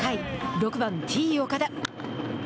６番Ｔ−岡田。